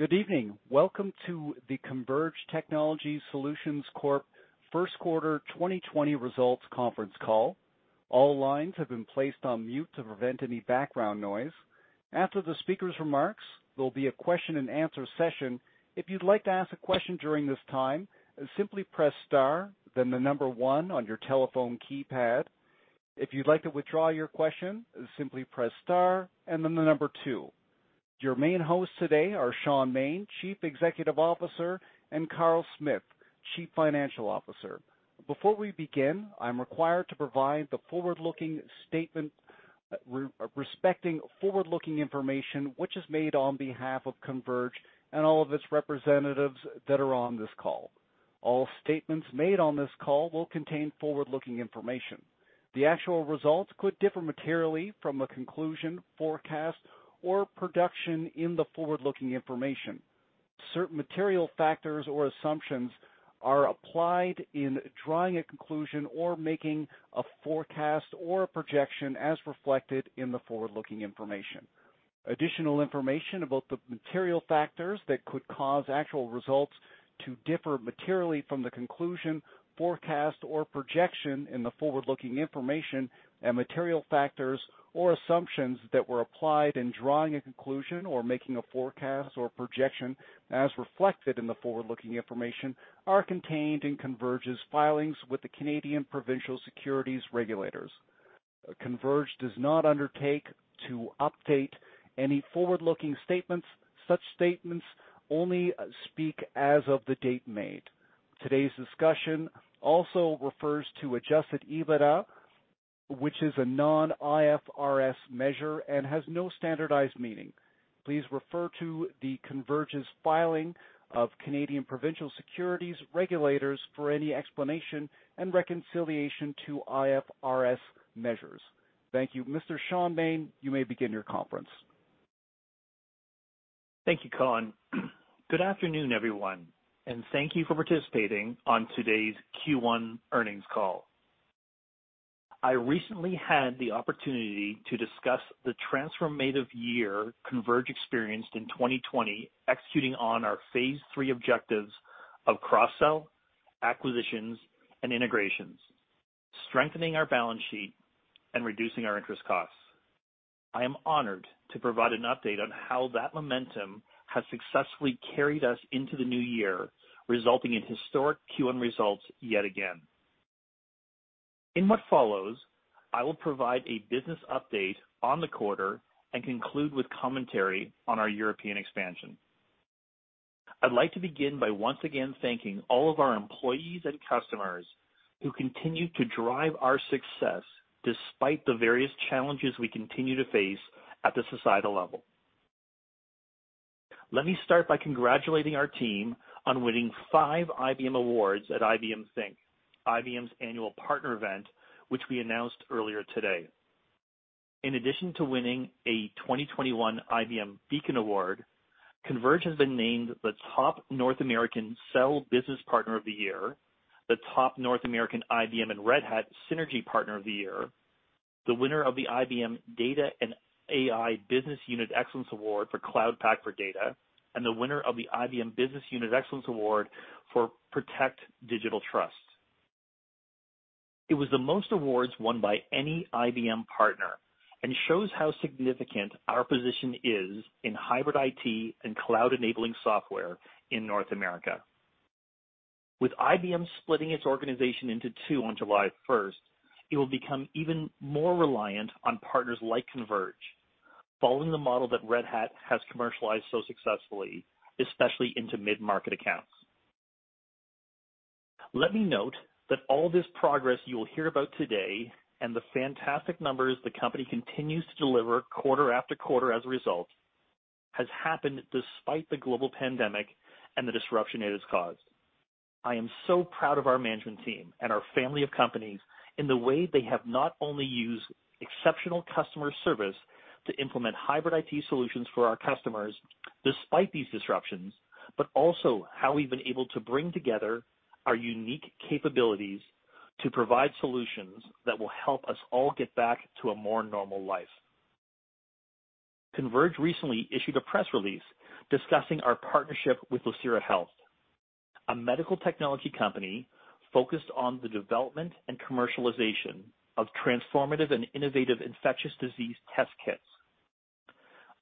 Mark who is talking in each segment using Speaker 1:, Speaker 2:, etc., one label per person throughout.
Speaker 1: Good evening. Welcome to the Converge Technology Solutions Corp. first quarter 2020 results conference call. All lines have been placed on mute to prevent any background noise. After the speaker's remarks, there will be a question and answer session. If you would like to ask a question during this time, simply press star, then the number one on your telephone keypad. If you would like to withdraw your question, simply press star and then the number two. Your main hosts today are Shaun Maine, Chief Executive Officer, and Carl Smith, Chief Financial Officer. Before we begin, I am required to provide the forward-looking statement respecting forward-looking information, which is made on behalf of Converge and all of its representatives that are on this call. All statements made on this call will contain forward-looking information. The actual results could differ materially from a conclusion, forecast, or production in the forward-looking information. Certain material factors or assumptions are applied in drawing a conclusion or making a forecast or a projection as reflected in the forward-looking information. Additional information about the material factors that could cause actual results to differ materially from the conclusion, forecast, or projection in the forward-looking information and material factors or assumptions that were applied in drawing a conclusion or making a forecast or projection as reflected in the forward-looking information, are contained in Converge's filings with the Canadian provincial securities regulators. Converge does not undertake to update any forward-looking statements. Such statements only speak as of the date made. Today's discussion also refers to adjusted EBITDA, which is a non-IFRS measure and has no standardized meaning. Please refer to the Converge's filing of Canadian provincial securities regulators for any explanation and reconciliation to IFRS measures. Thank you. Mr. Shaun Maine, you may begin your conference.
Speaker 2: Thank you, Colin. Good afternoon, everyone, and thank you for participating on today's Q1 earnings call. I recently had the opportunity to discuss the transformative year Converge experienced in 2020, executing on our phase III objectives of cross-sell, acquisitions, and integrations, strengthening our balance sheet and reducing our interest costs. I am honored to provide an update on how that momentum has successfully carried us into the new year, resulting in historic Q1 results yet again. In what follows, I will provide a business update on the quarter and conclude with commentary on our European expansion. I'd like to begin by once again thanking all of our employees and customers who continue to drive our success despite the various challenges we continue to face at the societal level. Let me start by congratulating our team on winning five IBM awards at IBM Think, IBM's annual partner event, which we announced earlier today. In addition to winning a 2021 IBM Beacon Award, Converge has been named the top North American sell business partner of the year, the top North American IBM and Red Hat synergy partner of the year, the winner of the IBM Data and AI Business Unit Excellence Award for Cloud Pak for Data, and the winner of the IBM Business Unit Excellence Award for Protect: Digital Trust. It was the most awards won by any IBM partner and shows how significant our position is in hybrid IT and cloud-enabling software in North America. With IBM splitting its organization into two on July 1st, it will become even more reliant on partners like Converge, following the model that Red Hat has commercialized so successfully, especially into mid-market accounts. Let me note that all this progress you will hear about today and the fantastic numbers the company continues to deliver quarter after quarter as a result, has happened despite the global pandemic and the disruption it has caused. I am so proud of our management team and our family of companies in the way they have not only used exceptional customer service to implement hybrid IT solutions for our customers despite these disruptions but also how we've been able to bring together our unique capabilities to provide solutions that will help us all get back to a more normal life. Converge recently issued a press release discussing our partnership with Lucira Health, a medical technology company focused on the development and commercialization of transformative and innovative infectious disease test kits.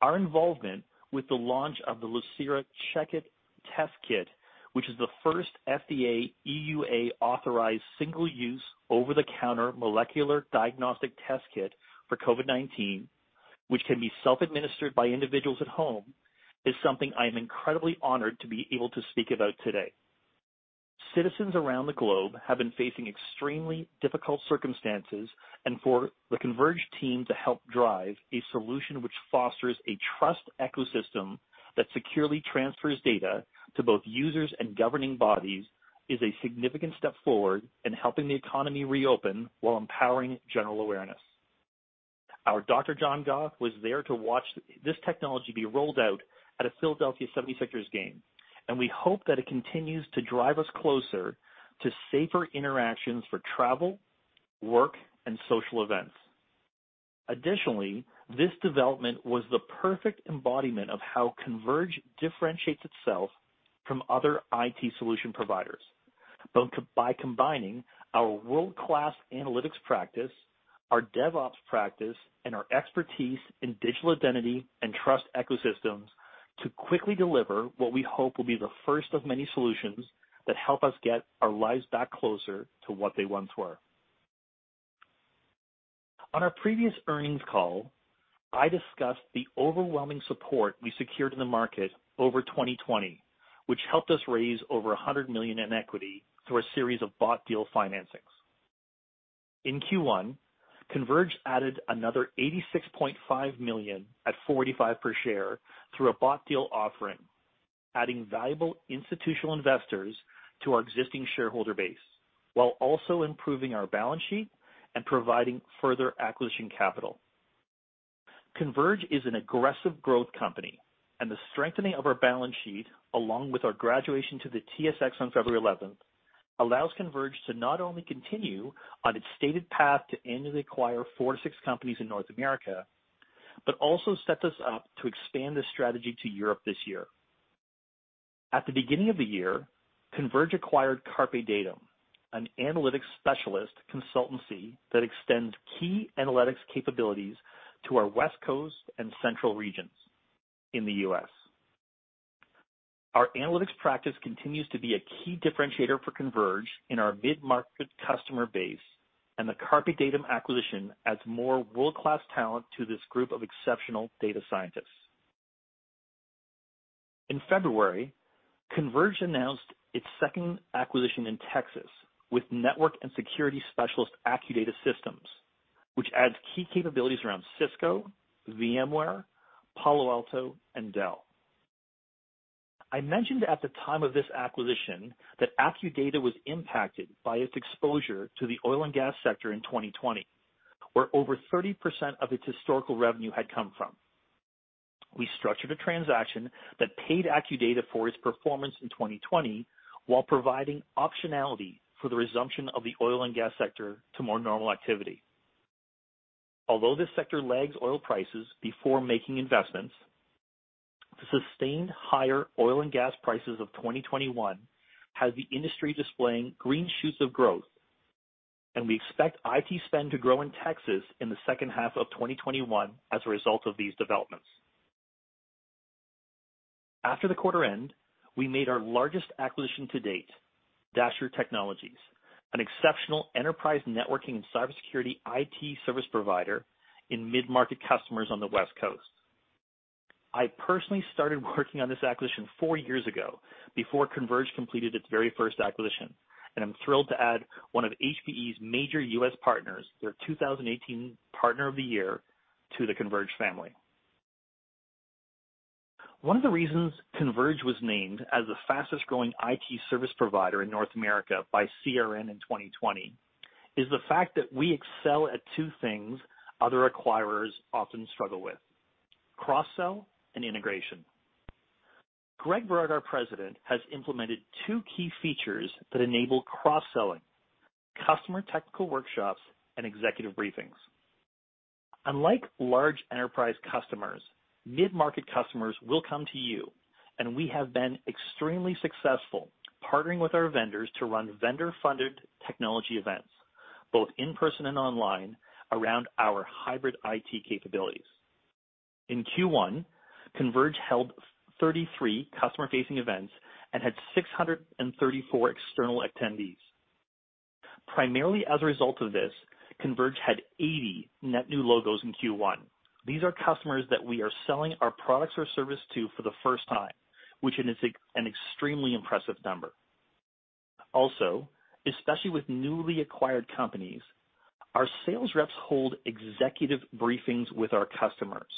Speaker 2: Our involvement with the launch of the Lucira CHECK IT test kit, which is the first FDA EUA-authorized single-use over-the-counter molecular diagnostic test kit for COVID-19, which can be self-administered by individuals at home, is something I am incredibly honored to be able to speak about today. Citizens around the globe have been facing extremely difficult circumstances, and for the Converge team to help drive a solution which fosters a trust ecosystem that securely transfers data to both users and governing bodies is a significant step forward in helping the economy reopen while empowering general awareness. Our Dr. Don Gockley was there to watch this technology be rolled out at a Philadelphia 76ers game. We hope that it continues to drive us closer to safer interactions for travel, work, and social events. Additionally, this development was the perfect embodiment of how Converge differentiates itself from other IT solution providers, both by combining our world-class analytics practice, our DevOps practice, and our expertise in digital identity and trust ecosystems to quickly deliver what we hope will be the first of many solutions that help us get our lives back closer to what they once were. On our previous earnings call, I discussed the overwhelming support we secured in the market over 2020, which helped us raise over 100 million in equity through a series of bought deal financings. In Q1, Converge added another 86.5 million at 45 per share through a bought deal offering, adding valuable institutional investors to our existing shareholder base, while also improving our balance sheet and providing further acquisition capital. Converge is an aggressive growth company, and the strengthening of our balance sheet, along with our graduation to the TSX on February 11th, allows Converge to not only continue on its stated path to annually acquire four to six companies in North America but also sets us up to expand this strategy to Europe this year. At the beginning of the year, Converge acquired CarpeDatum, an analytics specialist consultancy that extends key analytics capabilities to our West Coast and central regions in the U.S. Our analytics practice continues to be a key differentiator for Converge in our mid-market customer base, and the CarpeDatum acquisition adds more world-class talent to this group of exceptional data scientists. In February, Converge announced its second acquisition in Texas with network and security specialist Accudata Systems, which adds key capabilities around Cisco, VMware, Palo Alto, and Dell. I mentioned at the time of this acquisition that Accudata was impacted by its exposure to the oil and gas sector in 2020, where over 30% of its historical revenue had come from. We structured a transaction that paid Accudata for its performance in 2020 while providing optionality for the resumption of the oil and gas sector to more normal activity. Although this sector lags oil prices before making investments, the sustained higher oil and gas prices of 2021 has the industry displaying green shoots of growth, and we expect IT spend to grow in Texas in the second half of 2021 as a result of these developments. After the quarter end, we made our largest acquisition to date, Dasher Technologies, an exceptional enterprise networking and cybersecurity IT service provider in mid-market customers on the West Coast. I personally started working on this acquisition four years ago, before Converge completed its very first acquisition, and I'm thrilled to add one of HPE's major U.S. partners, their 2018 partner of the year, to the Converge family. One of the reasons Converge was named as the fastest-growing IT service provider in North America by CRN in 2020 is the fact that we excel at two things other acquirers often struggle with, cross-sell and integration. Greg Berard, our president, has implemented two key features that enable cross-selling, customer technical workshops, and executive briefings. Unlike large enterprise customers, mid-market customers will come to you, and we have been extremely successful partnering with our vendors to run vendor-funded technology events, both in person and online, around our hybrid IT capabilities. In Q1, Converge held 33 customer-facing events and had 634 external attendees. Primarily as a result of this, Converge had 80 net new logos in Q1. These are customers that we are selling our products or services to for the first time, which is an extremely impressive number. Especially with newly acquired companies, our sales reps hold executive briefings with our customers,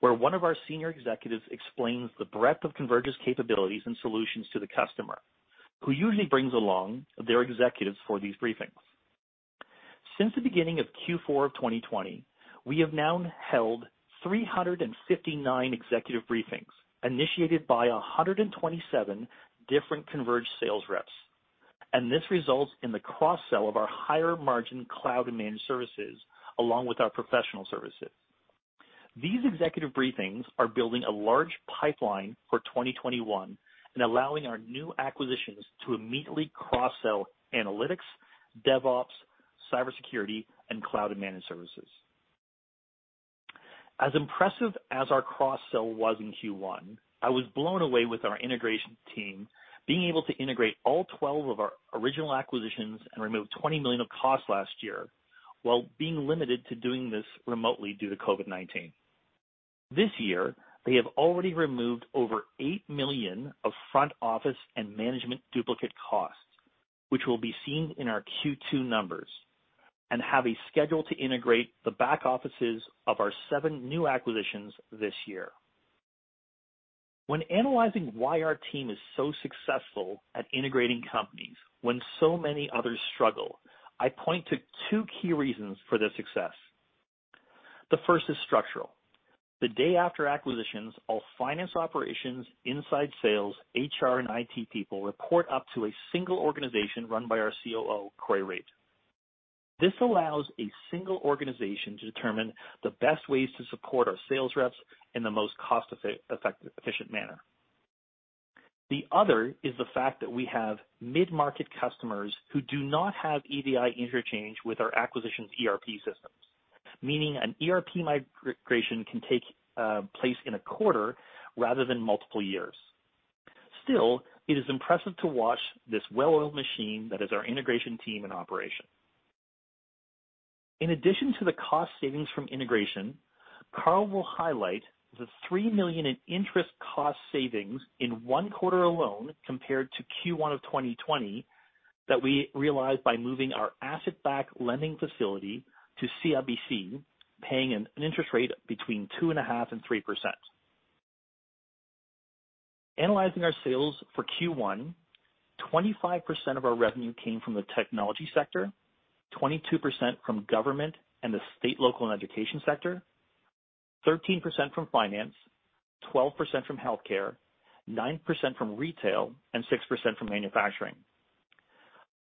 Speaker 2: where one of our senior executives explains the breadth of Converge's capabilities and solutions to the customer, who usually brings along their executives for these briefings. Since the beginning of Q4 of 2020, we have now held 359 executive briefings initiated by 127 different Converge sales reps; this results in the cross-sell of our higher-margin cloud-managed services along with our professional services. These executive briefings are building a large pipeline for 2021 and allowing our new acquisitions to immediately cross-sell analytics, DevOps, cybersecurity, and cloud managed services. As impressive as our cross-sell was in Q1, I was blown away with our integration team being able to integrate all 12 of our original acquisitions and remove 20 million of costs last year while being limited to doing this remotely due to COVID-19. This year, they have already removed over 8 million of front office and management duplicate costs, which will be seen in our Q2 numbers, and have a schedule to integrate the back offices of our seven new acquisitions this year. When analyzing why our team is so successful at integrating companies when so many others struggle, I point to two key reasons for their success. The first is structural. The day after acquisitions, all finance operations, inside sales, HR, and IT people report up to a single organization run by our COO, Cory Reid. This allows a single organization to determine the best ways to support our sales reps in the most cost-effective, efficient manner. The other is the fact that we have mid-market customers who do not have EDI interchange with our acquisition ERP systems, meaning an ERP migration can take place in a quarter rather than multiple years. Still, it is impressive to watch this well-oiled machine that is our integration team in operation. In addition to the cost savings from integration, Carl will highlight the 3 million in interest cost savings in one quarter alone compared to Q1 of 2020 that we realized by moving our asset-backed lending facility to CIBC, paying an interest rate between 2.5% and 3%. Analyzing our sales for Q1, 25% of our revenue came from the technology sector, 22% from government and the state, local, and education sector, 13% from finance, 12% from healthcare, 9% from retail, and 6% from manufacturing.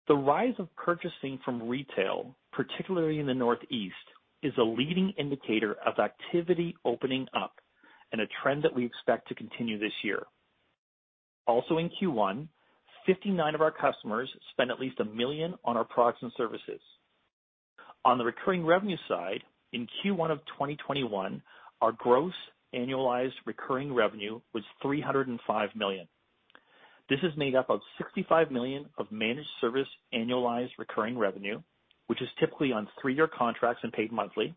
Speaker 2: The rise of purchasing from retail, particularly in the Northeast, is a leading indicator of activity opening up and a trend that we expect to continue this year. Also in Q1, 59 of our customers spent at least 1 million on our products and services. On the recurring revenue side, in Q1 of 2021, our gross annualized recurring revenue was 305 million. This is made up of 65 million of managed service annualized recurring revenue, which is typically on three-year contracts and paid monthly;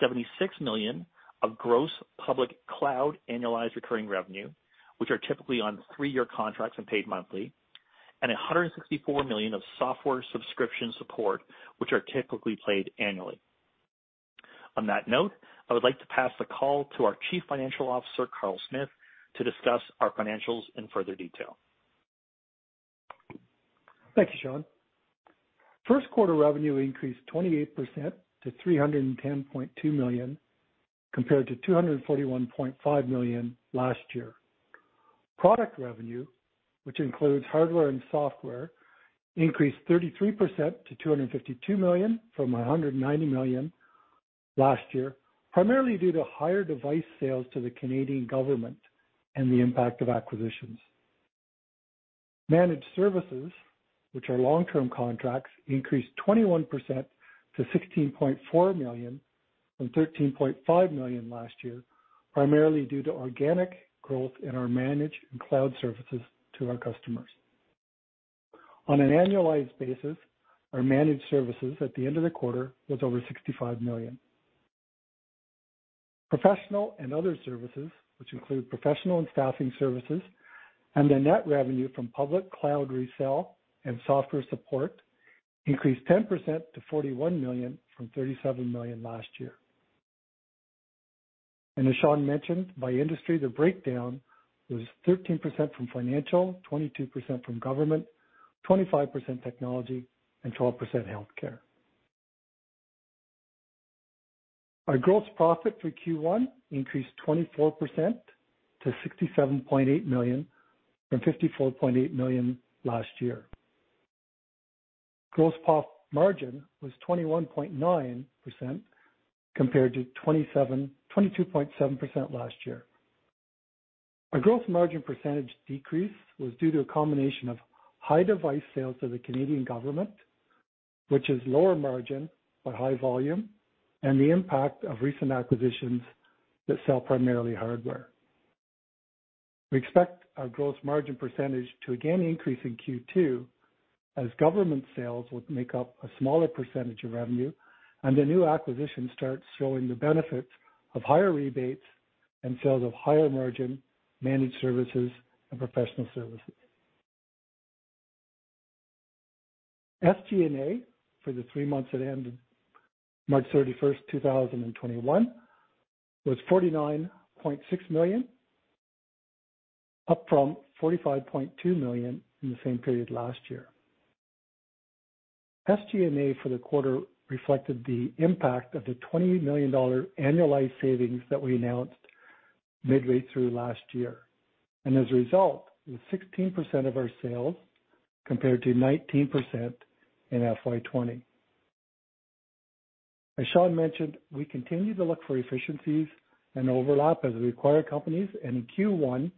Speaker 2: 76 million of gross public cloud annualized recurring revenue, which are typically on three-year contracts and paid monthly; and 164 million of software subscription support, which are typically paid annually. On that note, I would like to pass the call to our chief financial officer, Carl Smith, to discuss our financials in further detail.
Speaker 3: Thank you, Shaun. First quarter revenue increased 28% to 310.2 million, compared to 241.5 million last year. Product revenue, which includes hardware and software, increased 33% to 252 million from 190 million last year, primarily due to higher device sales to the Canadian government and the impact of acquisitions. Managed services, which are long-term contracts, increased 21% to 16.4 million, from 13.5 million last year, primarily due to organic growth in our managed and cloud services to our customers. On an annualized basis, our managed services at the end of the quarter was over 65 million. Professional and other services, which include professional and staffing services and the net revenue from public cloud resell and software support, increased 10% to 41 million from 37 million last year. As Shaun mentioned, by industry, the breakdown was 13% from financial, 22% from government, 25% from technology, and 12% from healthcare. Our gross profit for Q1 increased 24% to 67.8 million from 54.8 million last year. Gross profit margin was 21.9% compared to 22.7% last year. Our gross margin percentage decrease was due to a combination of high device sales to the Canadian government, which is lower margin but high volume, and the impact of recent acquisitions that sell primarily hardware. We expect our gross margin percentage to again increase in Q2 as government sales would make up a smaller percentage of revenue and the new acquisition starts showing the benefits of higher rebates and sales of higher margin managed services and professional services. SG&A for the three months that ended March 31st, 2021, was 49.6 million, up from 45.2 million in the same period last year. SG&A for the quarter reflected the impact of the 20 million dollar annualized savings that we announced midway through last year. As a result, it was 16% of our sales, compared to 19% in FY 2020. As Shaun mentioned, we continue to look for efficiencies and overlap as we acquire companies; in Q1,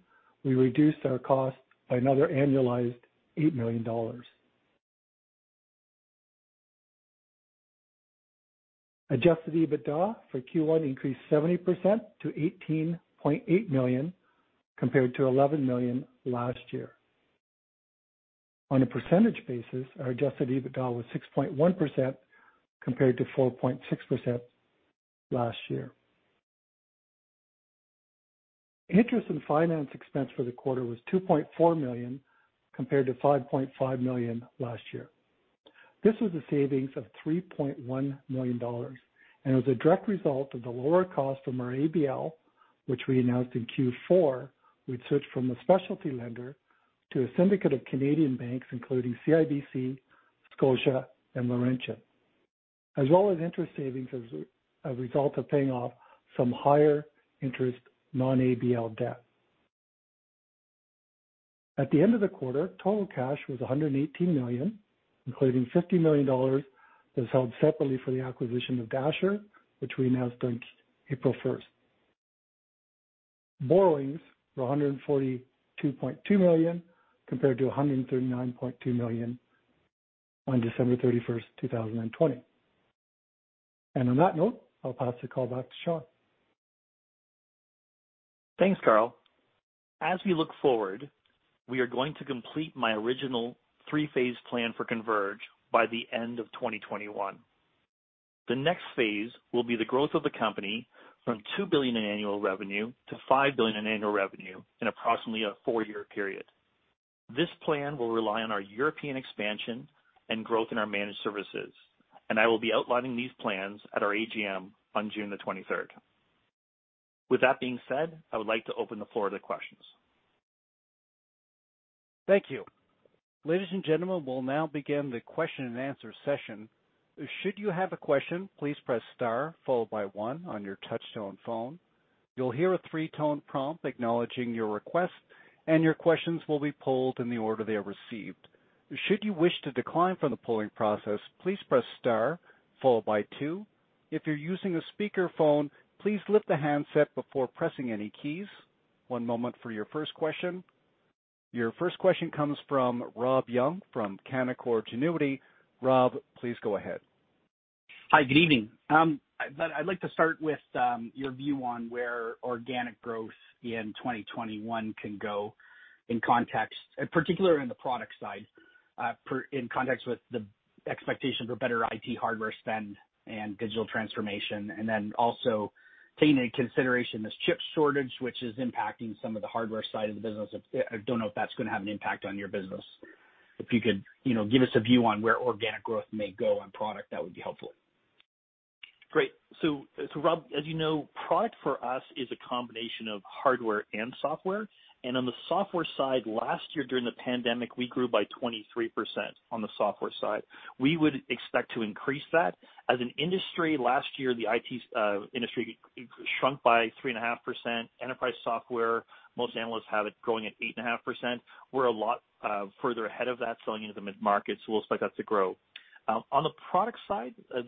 Speaker 3: we reduced our cost by another annualized 8 million dollars. Adjusted EBITDA for Q1 increased 70% to 18.8 million compared to 11 million last year. On a percentage basis, our Adjusted EBITDA was 6.1% compared to 4.6% last year. Interest and finance expense for the quarter was 2.4 million, compared to 5.5 million last year. This was a savings of 3.1 million dollars, and it was a direct result of the lower cost from our ABL, which we announced in Q4. We'd switched from a specialty lender to a syndicate of Canadian banks, including CIBC, Scotia, and Laurentian, as well as interest savings as a result of paying off some higher-interest non-ABL debt. At the end of the quarter, total cash was 118 million, including 50 million dollars that is held separately for the acquisition of Dasher, which we announced on April 1st. Borrowings were 142.2 million, compared to 139.2 million on December 31st, 2020. On that note, I'll pass the call back to Shaun.
Speaker 2: Thanks, Carl. As we look forward, we are going to complete my original three-phase plan for Converge by the end of 2021. The next phase will be the growth of the company from 2 billion in annual revenue to 5 billion in annual revenue in approximately a four-year period. This plan will rely on our European expansion and growth in our managed services, and I will be outlining these plans at our AGM on June the 23rd. With that being said, I would like to open the floor to questions.
Speaker 1: Thank you. Ladies and gentlemen, we'll now begin the question-and-answer session. Should you have a question, please press star follow by one on your touch-tone phone. You'll hear a three-tone prompt acknowledging your request, and your question will be pulled in the order they are received. Should you wish to decline from the polling process, please press star follow by two. If you're using a speakerphone, please lift the handset before pressing any keys. One moment for your first question. Your first question comes from Robert Young from Canaccord Genuity. Rob, please go ahead.
Speaker 4: Hi, good evening. I'd like to start with your view on where organic growth in 2021 can go, particularly in the product side, in context with the expectation for better IT hardware spend and digital transformation, and then also taking into consideration this chip shortage, which is impacting some of the hardware side of the business. I don't know if that's going to have an impact on your business. If you could give us a view on where organic growth may go on product, that would be helpful.
Speaker 2: Great. Rob, as you know, product for us is a combination of hardware and software. On the software side, last year during the pandemic, we grew by 23% on the software side. We would expect to increase that. As an industry, last year, the IT industry shrunk by 3.5%. Enterprise software, most analysts have it growing at 8.5%. We're a lot further ahead of that selling into the mid-market; we'll expect that to grow. On the product side, I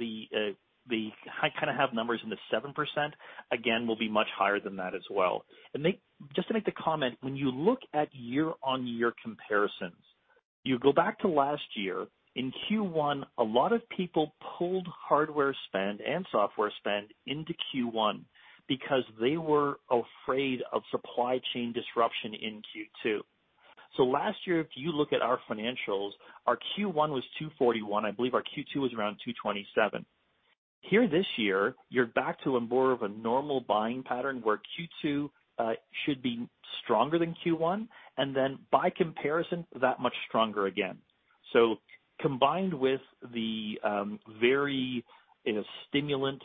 Speaker 2: kind of have numbers in the 7%. Again, we'll be much higher than that as well. Just to make the comment, when you look at year-over-year comparisons, you go back to last year; in Q1, a lot of people pulled hardware spend and software spend into Q1 because they were afraid of supply chain disruption in Q2. Last year, if you look at our financials, our Q1 was 241. I believe our Q2 was around 227. This year, you're back to more of a normal buying pattern where Q2 should be stronger than Q1 and then, by comparison, that much stronger again. Combined with the very stimulant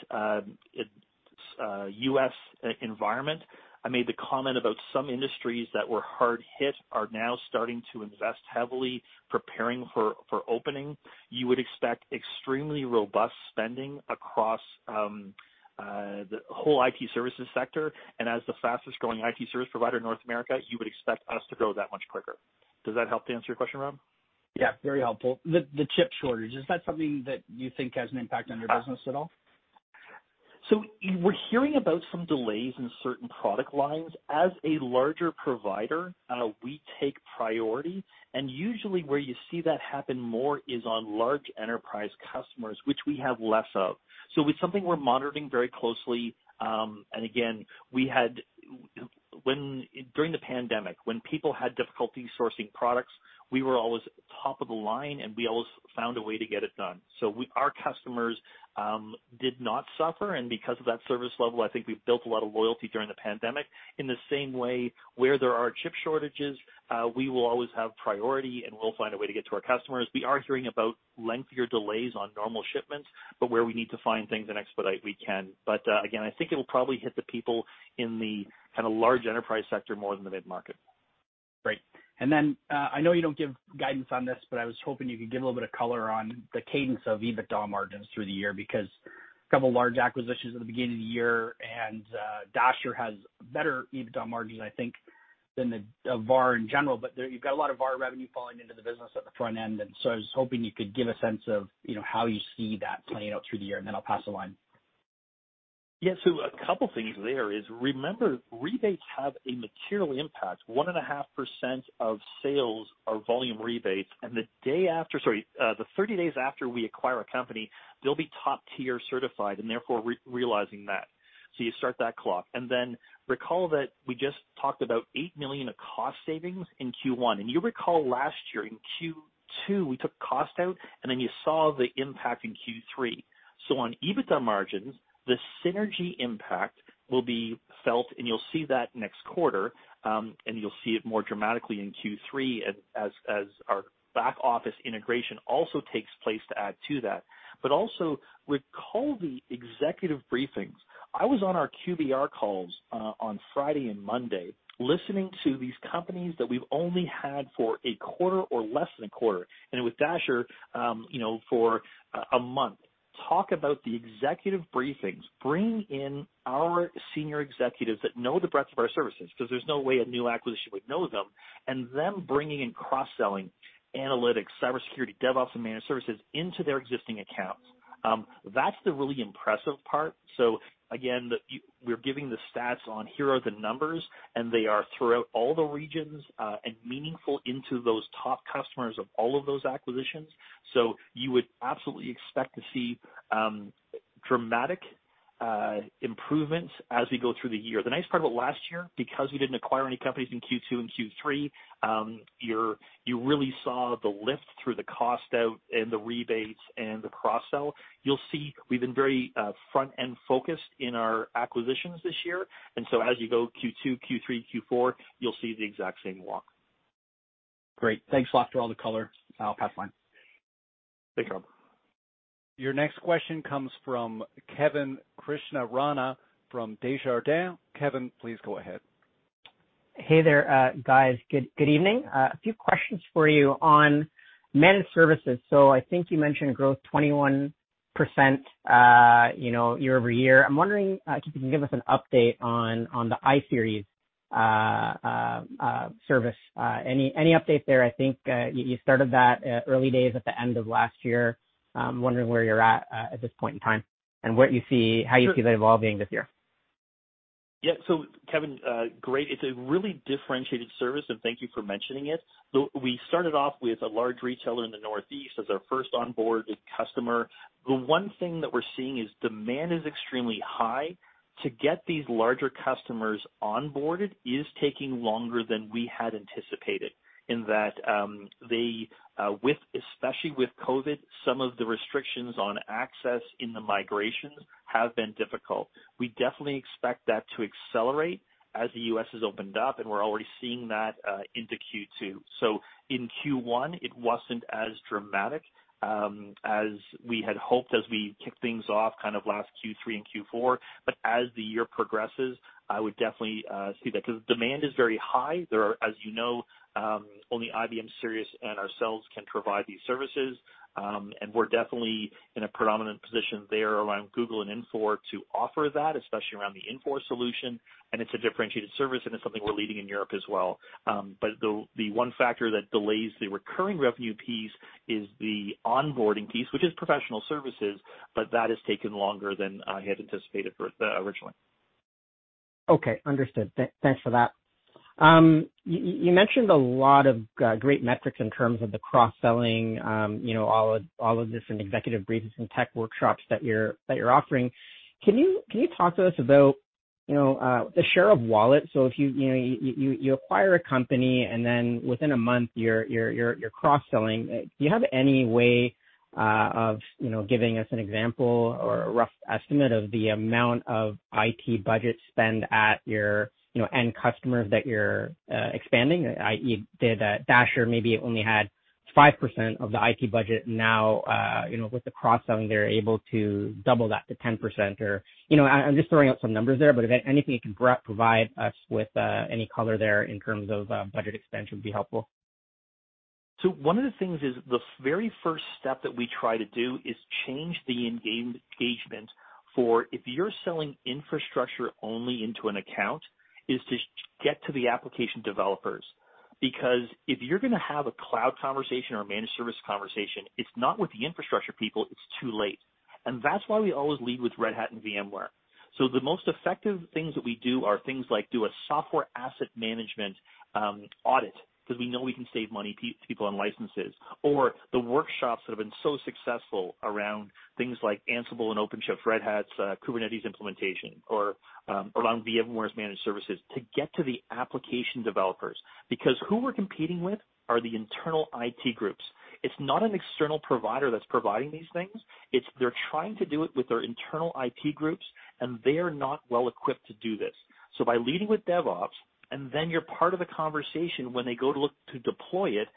Speaker 2: U.S. environment, I made the comment about some industries that were hard hit are now starting to invest heavily, preparing for opening. You would expect extremely robust spending across the whole IT services sector, and as the fastest-growing IT service provider in North America, you would expect us to grow that much quicker. Does that help to answer your question, Rob?
Speaker 4: Yeah, very helpful. The chip shortage, is that something that you think has an impact on your business at all?
Speaker 2: We're hearing about some delays in certain product lines. As a larger provider, we take priority, and usually where you see that happen more is on large enterprise customers, which we have less of. It's something we're monitoring very closely. Again, during the pandemic, when people had difficulty sourcing products, we were always top of the line, and we always found a way to get it done. Our customers did not suffer, and because of that service level, I think we've built a lot of loyalty during the pandemic. In the same way, where there are chip shortages, we will always have priority, and we'll find a way to get to our customers. We are hearing about lengthier delays on normal shipments, but where we need to find things and expedite, we can. Again, I think it'll probably hit the people in the kind of large enterprise sector more than the mid-market.
Speaker 4: Great. I know you don't give guidance on this, but I was hoping you could give a little bit of color on the cadence of EBITDA margins through the year, because a couple large acquisitions at the beginning of the year and Dasher has better EBITDA margins, I think, than the VAR in general. You've got a lot of VAR revenue falling into the business at the front end. I was hoping you could give a sense of how you see that playing out through the year. I'll pass the line.
Speaker 2: A couple things there is, remember, rebates have a material impact. 1.5% of sales are volume rebates, and the 30 days after we acquire a company, they'll be top-tier certified and therefore realizing that. You start that clock. Recall that we just talked about 8 million of cost savings in Q1. You recall last year in Q2, we took cost out, and then you saw the impact in Q3. On EBITDA margins, the synergy impact will be felt, and you'll see that next quarter, and you'll see it more dramatically in Q3 as our back-office integration also takes place to add to that. Also recall the executive briefings. I was on our QBR calls on Friday and Monday listening to these companies that we've only had for a quarter or less than a quarter, and with Dasher for a month. Talk about the executive briefings. Bring in our senior executives that know the breadth of our services, because there's no way a new acquisition would know them, and them bringing in cross-selling, analytics, cybersecurity, DevOps, and managed services into their existing accounts. That's the really impressive part. Again, we're giving the stats on here are the numbers, and they are throughout all the regions and meaningful into those top customers of all of those acquisitions. You would absolutely expect to see dramatic improvements as we go through the year. The nice part about last year, because we didn't acquire any companies in Q2 and Q3, you really saw the lift through the cost-out and the rebates and the cross-sell. You'll see we've been very front-end focused in our acquisitions this year. As you go Q2, Q3, Q4, you'll see the exact same walk.
Speaker 4: Great. Thanks a lot for all the color. I'll pass the line.
Speaker 2: Thank you.
Speaker 1: Your next question comes from Kevin Krishnaratne from Desjardins. Kevin, please go ahead.
Speaker 5: Hey there, guys. Good evening. A few questions for you on managed services. I think you mentioned growth 21% year-over-year. I'm wondering if you can give us an update on the iSeries service. Any update there? I think you started that early days at the end of last year. I'm wondering where you're at at this point in time and how you see that evolving this year.
Speaker 2: Yeah. Kevin, great. It's a really differentiated service, and thank you for mentioning it. We started off with a large retailer in the Northeast as our first onboarded customer. The one thing that we're seeing is demand is extremely high. To get these larger customers onboarded is taking longer than we had anticipated in that, especially with COVID, some of the restrictions on access in the migrations have been difficult. We definitely expect that to accelerate as the U.S. has opened up, and we're already seeing that into Q2. In Q1, it wasn't as dramatic as we had hoped as we kicked things off kind of last Q3 and Q4. As the year progresses, I would definitely see that because demand is very high. There are, as you know, only IBM iSeries and ourselves can provide these services. We're definitely in a predominant position there around Google and Infor to offer that, especially around the Infor solution, and it's a differentiated service, and it's something we're leading in Europe as well. The one factor that delays the recurring revenue piece is the onboarding piece, which is professional services, but that has taken longer than I had anticipated originally.
Speaker 5: Okay, understood. Thanks for that. You mentioned a lot of great metrics in terms of the cross-selling, all the different executive briefings and tech workshops that you're offering. Can you talk to us about the share of wallet? If you acquire a company and then within a month you're cross-selling, do you have any way of giving us an example or a rough estimate of the amount of IT budget spend at your end customers that you're expanding, i.e., Dasher maybe only had 5% of the IT budget? Now with the cross-selling, they're able to double that to 10%. I'm just throwing out some numbers there, but if anything, you can provide us with any color there in terms of budget expansion would be helpful.
Speaker 2: One of the things is the very first step that we try to do is change the engagement for if you're selling infrastructure only into an account, is to get to the application developers. If you're going to have a cloud conversation or a managed service conversation, it's not with the infrastructure people; it's too late. That's why we always lead with Red Hat and VMware. The most effective things that we do are things like do a software asset management audit because we know we can save money to people on licenses, or the workshops that have been so successful around things like Ansible and OpenShift, Red Hat's Kubernetes implementation, or around VMware's managed services to get to the application developers. Who we're competing with are the internal IT groups. It's not an external provider that's providing these things. It's they're trying to do it with their internal IT groups, and they are not well-equipped to do this. By leading with DevOps, and then you're part of the conversation when they go to look to deploy it,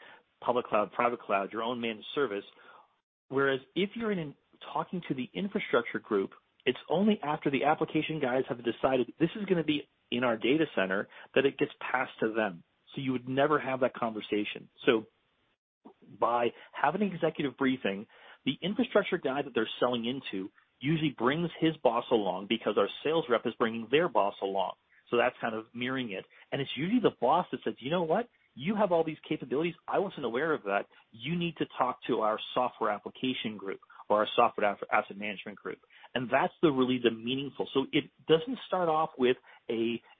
Speaker 2: public cloud, private cloud, your own managed service. Whereas if you're talking to the infrastructure group, it's only after the application guys have decided this is going to be in our data center that it gets passed to them. You would never have that conversation. By having an executive briefing, the infrastructure guy that they're selling into usually brings his boss along because our sales rep is bringing their boss along. That's kind of mirroring it. It's usually the boss that says, "You know what? You have all these capabilities. I wasn't aware of that. You need to talk to our software application group or our software asset management group. That's really the meaningful. It doesn't start off with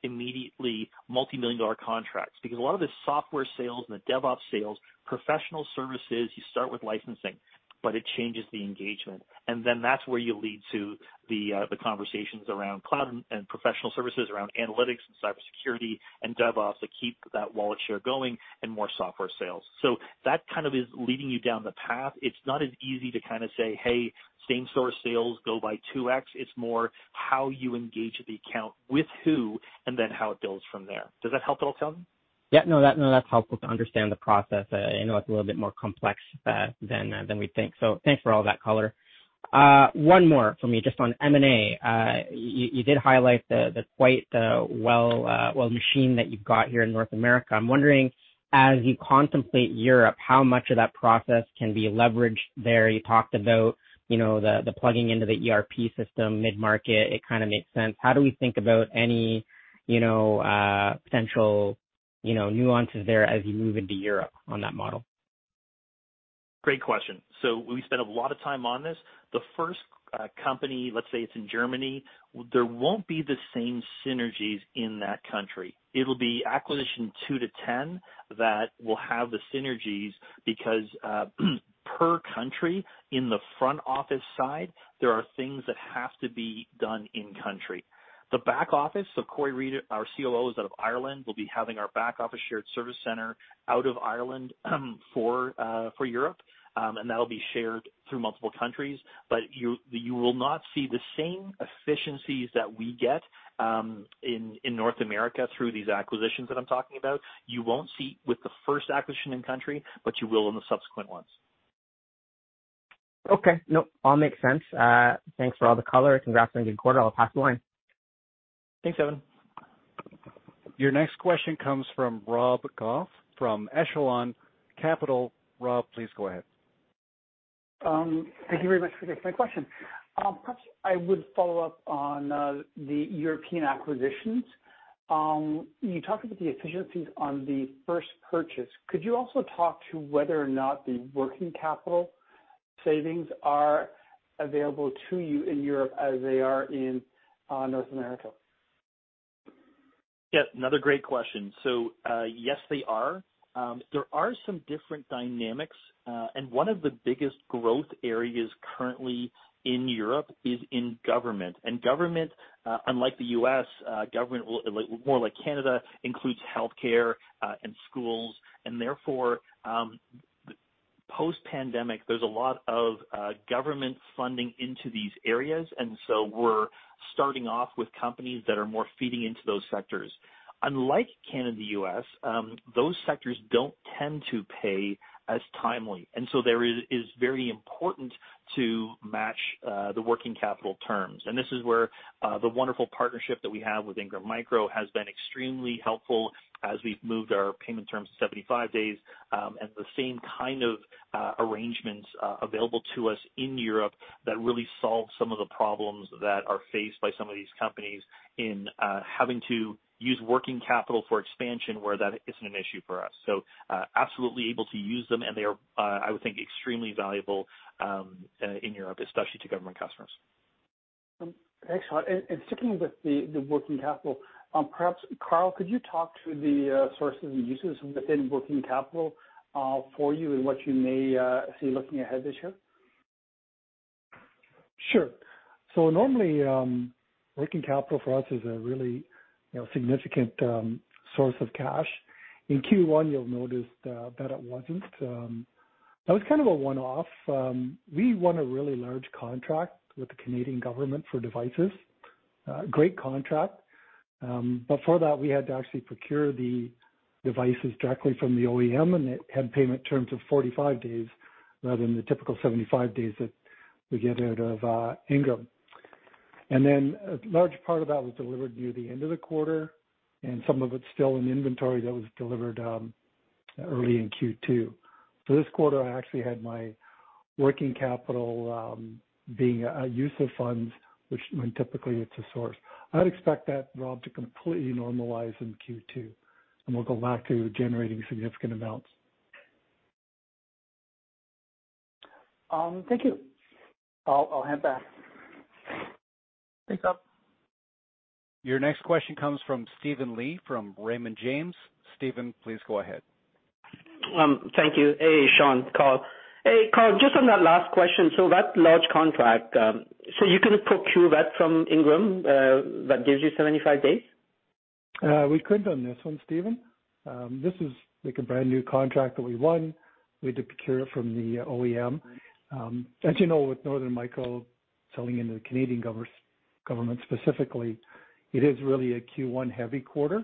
Speaker 2: immediately multimillion-dollar contracts because a lot of the software sales and the DevOps sales, professional services, you start with licensing, but it changes the engagement. That's where you lead to the conversations around cloud and professional services, around analytics and cybersecurity and DevOps, that keep that wallet share going and more software sales. That kind of is leading you down the path. It's not as easy to kind of say, "Hey, same store sales go by 2x." It's more how you engage the account with who and then how it builds from there. Does that help at all, Kevin?
Speaker 5: Yeah, no, that's helpful to understand the process. I know it's a little bit more complex than we think. Thanks for all that color. One more from me, just on M&A. You did highlight the quite well machine that you've got here in North America. I'm wondering, as you contemplate Europe, how much of that process can be leveraged there? You talked about the plugging into the ERP system mid-market. It kind of makes sense. How do we think about any potential nuances there as you move into Europe on that model?
Speaker 2: Great question. We spent a lot of time on this. The first company, let's say it's in Germany, there won't be the same synergies in that country. It'll be acquisitions two to 10 that will have the synergies because, per country, in the front office side, there are things that have to be done in country. The back office, Cory Reid, our COO, is out of Ireland, will be having our back office shared service center out of Ireland for Europe, and that'll be shared through multiple countries. You will not see the same efficiencies that we get in North America through these acquisitions that I'm talking about. You won't see with the first acquisition in country, but you will in the subsequent ones.
Speaker 5: Okay. Nope, all makes sense. Thanks for all the color. Congrats on a good quarter. I'll pass the line.
Speaker 2: Thanks, Kevin.
Speaker 1: Your next question comes from Rob Goff from Echelon Capital. Rob, please go ahead.
Speaker 6: Thank you very much for taking my question. Perhaps I would follow up on the European acquisitions. You talked about the efficiencies on the first purchase. Could you also talk to whether or not the working capital savings are available to you in Europe as they are in North America?
Speaker 2: Yes, another great question. Yes, they are. There are some different dynamics. One of the biggest growth areas currently in Europe is in government. Government, unlike the U.S., government more like Canada, includes healthcare and schools; therefore, post-pandemic, there's a lot of government funding into these areas. We're starting off with companies that are more feeding into those sectors. Unlike Canada and the U.S., those sectors don't tend to pay as timely; it is very important to match the working capital terms. This is where the wonderful partnership that we have with Ingram Micro has been extremely helpful as we've moved our payment terms to 75 days, and the same kind of arrangements are available to us in Europe that really solve some of the problems that are faced by some of these companies in having to use working capital for expansion where that isn't an issue for us. Absolutely able to use them, and they are, I would think, extremely valuable in Europe, especially to government customers.
Speaker 6: Thanks, Shaun. Sticking with the working capital, perhaps, Carl, could you talk to the sources and uses within working capital for you and what you may see looking ahead this year?
Speaker 3: Normally, working capital for us is a really significant source of cash. In Q1, you'll notice that it wasn't. That was kind of a one-off. We won a really large contract with the Canadian government for devices. Great contract. For that, we had to actually procure the devices directly from the OEM, and it had payment terms of 45 days rather than the typical 75 days that we get out of Ingram. A large part of that was delivered near the end of the quarter, and some of it's still in inventory that was delivered early in Q2. This quarter, I actually had my working capital being a use of funds, which when typically it's a source. I'd expect that, Rob, to completely normalize in Q2, and we'll go back to generating significant amounts.
Speaker 6: Thank you. I'll hand back.
Speaker 2: Thanks, Rob.
Speaker 1: Your next question comes from Steven Li from Raymond James. Steven, please go ahead.
Speaker 7: Thank you. Hey, Shaun, Carl. Hey, Carl, just on that last question, so that large contract, so you couldn't procure that from Ingram, that gives you 75 days?
Speaker 3: We couldn't on this one, Steven. This is like a brand-new contract that we won. We had to procure it from the OEM. As you know, with Northern Micro selling into the Canadian government specifically, it is really a Q1-heavy quarter,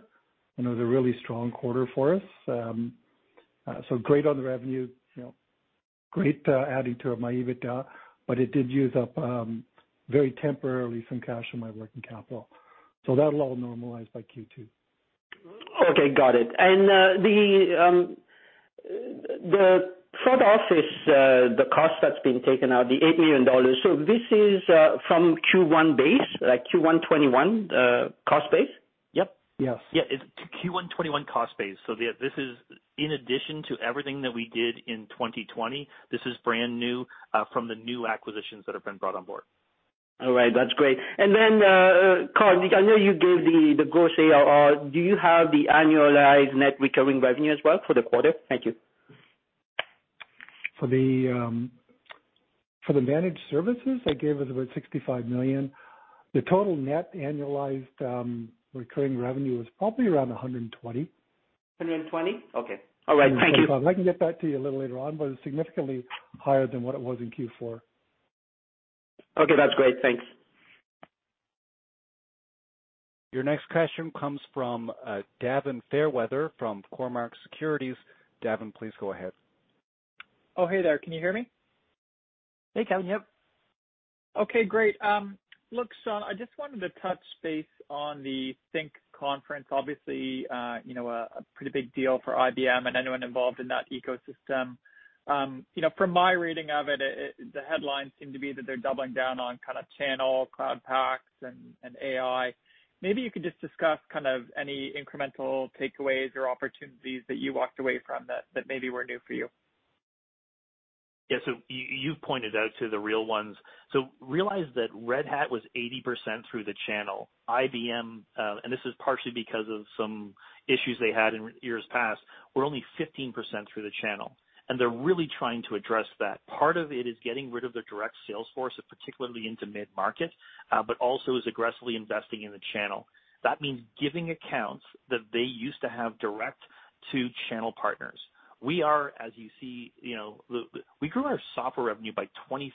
Speaker 3: and it was a really strong quarter for us. Great on the revenue, great adding to my EBITDA, but it did use up, very temporarily, some cash in my working capital. That'll all normalize by Q2.
Speaker 7: Okay, got it. The front office, the cost that's been taken out, the 8 million dollars—this is from Q1 base, like Q1 2021 cost base? Yep.
Speaker 3: Yes.
Speaker 2: Yeah, it's Q1 2021 cost base. This is in addition to everything that we did in 2020. This is brand new from the new acquisitions that have been brought on board.
Speaker 7: All right. That's great. Then, Carl, I know you gave the gross ARR. Do you have the annualized net recurring revenue as well for the quarter? Thank you.
Speaker 3: For the managed services, I gave us about 65 million. The total net annualized recurring revenue was probably around 120 million.
Speaker 7: 120? Okay. All right. Thank you.
Speaker 3: I can get back to you a little later on, but it's significantly higher than what it was in Q4.
Speaker 7: Okay. That's great. Thanks.
Speaker 1: Your next question comes from Gavin Fairweather from Cormark Securities. Gavin, please go ahead.
Speaker 8: Oh, hey there. Can you hear me?
Speaker 2: Hey, Gavin. Yep.
Speaker 8: Okay, great. Look, Shaun, I just wanted to touch base on the IBM Think conference. Obviously, a pretty big deal for IBM and anyone involved in that ecosystem. From my reading of it, the headlines seem to be that they're doubling down on kind of channel cloud Paks and AI. Maybe you could just discuss any incremental takeaways or opportunities that you walked away from that maybe were new for you.
Speaker 2: Yeah. You've pointed out to the real ones. Realize that Red Hat was 80% through the channel. IBM, and this is partially because of some issues they had in years past, we're only 15% through the channel, and they're really trying to address that. Part of it is getting rid of their direct sales force, and particularly into the mid-market, but also is aggressively investing in the channel. That means giving accounts that they used to have direct to channel partners. We are, as you see, we grew our software revenue by 23%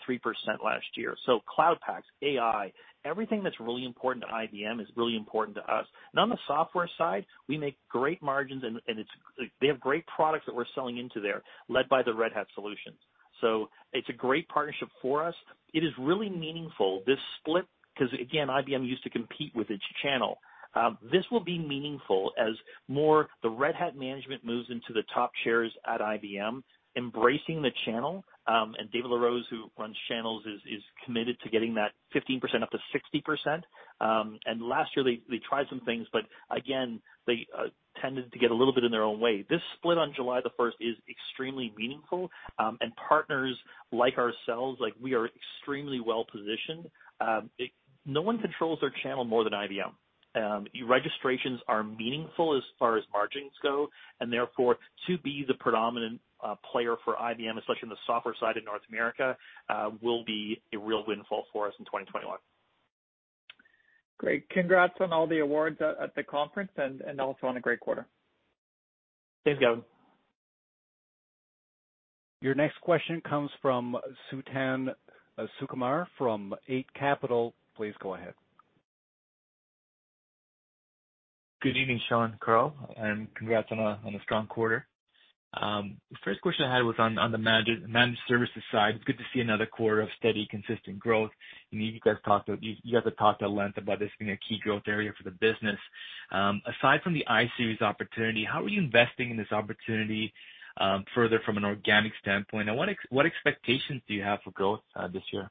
Speaker 2: last year. Cloud Paks, AI, everything that's really important to IBM is really important to us. On the software side, we make great margins, and they have great products that we're selling into there, led by the Red Hat solutions. It's a great partnership for us. It is really meaningful, this split, because, again, IBM used to compete with its channel. This will be meaningful as more the Red Hat management moves into the top shares at IBM, embracing the channel. David LaRose, who runs channels, is committed to getting that 15% up to 60%. Last year they tried some things, but again, they tended to get a little bit in their own way. This split on July the 1st is extremely meaningful, and partners like ourselves, we are extremely well-positioned. No one controls their channel more than IBM. Registrations are meaningful as far as margins go, and therefore, to be the predominant player for IBM, especially on the software side in North America, will be a real windfall for us in 2021.
Speaker 8: Great. Congrats on all the awards at the conference and also on a great quarter.
Speaker 2: Thanks, Gavin.
Speaker 1: Your next question comes from Suthan Sukumar from Eight Capital. Please go ahead.
Speaker 9: Good evening, Shaun, Carl, and congrats on a strong quarter. The first question I had was on the managed services side. It is good to see another quarter of steady, consistent growth. You guys have talked at length about this being a key growth area for the business. Aside from the iSeries opportunity, how are you investing in this opportunity further from an organic standpoint? What expectations do you have for growth this year?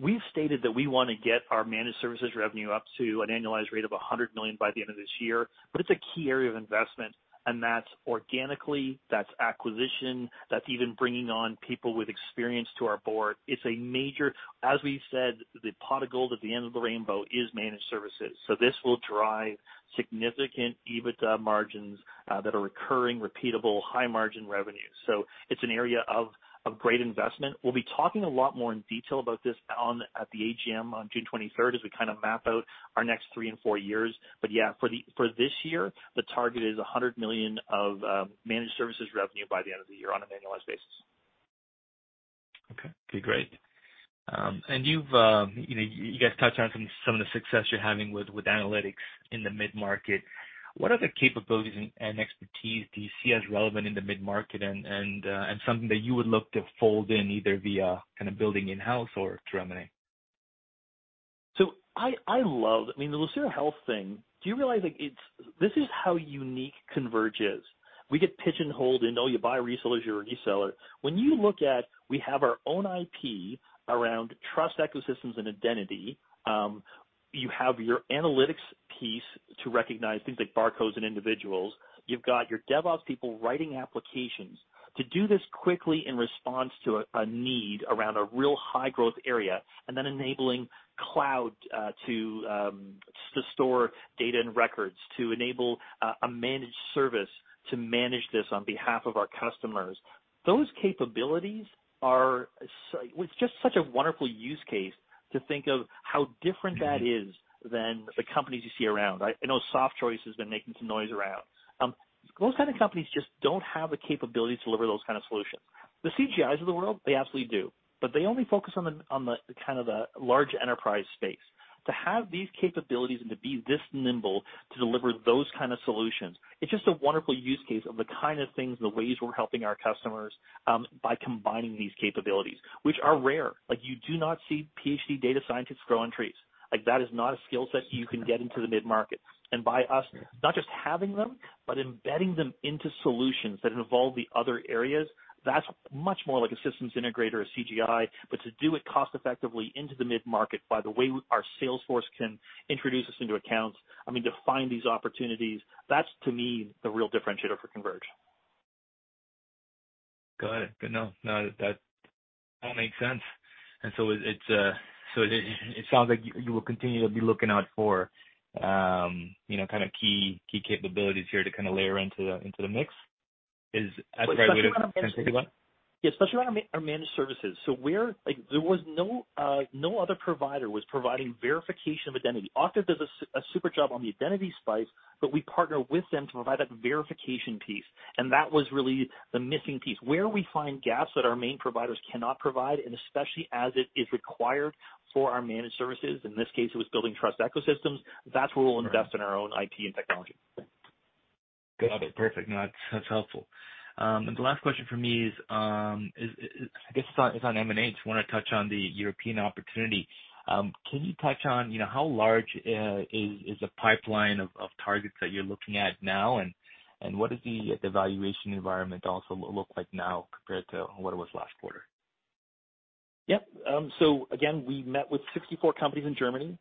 Speaker 2: We've stated that we want to get our managed services revenue up to an annualized rate of CAD 100 million by the end of this year. It's a key area of investment, and that's organically, that's acquisition; that's even bringing on people with experience to our board. As we've said, the pot of gold at the end of the rainbow is managed services. This will drive significant EBITDA margins that are recurring, repeatable, high-margin revenue. It's an area of great investment. We'll be talking a lot more in detail about this at the AGM on June 23rd as we kind of map out our next three and four years. Yeah, for this year, the target is 100 million of managed services revenue by the end of the year on an annualized basis.
Speaker 9: Okay, great. You guys touched on some of the success you're having with analytics in the mid-market. What other capabilities and expertise do you see as relevant in the mid-market and something that you would look to fold in either via kind of building in-house or through M&A?
Speaker 2: I love, I mean, the Lucira Health thing. Do you realize this is how unique Converge is. We get pigeonholed into, "Oh, you buy resellers, you're a reseller." You look at it; we have our own IP around trust ecosystems and identity. You have your analytics piece to recognize things like barcodes and individuals. You've got your DevOps people writing applications to do this quickly in response to a need around a real high-growth area, enabling cloud to store data and records to enable a managed service to manage this on behalf of our customers. Those capabilities are just such a wonderful use case to think of how different that is than the companies you see around. I know Softchoice has been making some noise around. Those kind of companies just don't have the capability to deliver those kinds of solutions. The CGIs of the world, they absolutely do, but they only focus on the kind of the large enterprise space. To have these capabilities and to be this nimble to deliver those kinds of solutions, it's just a wonderful use case of the kind of things, the ways we're helping our customers by combining these capabilities, which are rare. You do not see PhD data scientists grow on trees. That is not a skill set you can get into the mid-market. By us not just having them, but embedding them into solutions that involve the other areas, that's much more like a systems integrator or CGI. To do it cost-effectively into the mid-market, by the way, our sales force can introduce us into accounts. I mean, to find these opportunities, that's, to me, the real differentiator for Converge.
Speaker 9: Got it. No, that all makes sense. It sounds like you will continue to be looking out for kind of key capabilities here to kind of layer into the mix. Is that the right way?
Speaker 2: Yeah, especially around our managed services. No other provider was providing verification of identity. Okta does a super job on the identity slice, but we partner with them to provide that verification piece, and that was really the missing piece. Where we find gaps that our main providers cannot provide, and especially as it is required for our managed services, in this case, it was building trust ecosystems. That's where we'll invest in our own IT and technology.
Speaker 9: Got it. Perfect. No, that's helpful. The last question from me is on M&A. Just want to touch on the European opportunity. Can you touch on how large is the pipeline of targets that you're looking at now, and what does the valuation environment also look like now compared to what it was last quarter?
Speaker 2: Yes. Again, we met with 64 companies in Germany,